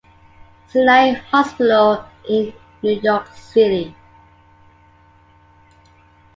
Sinai Hospital in New York City.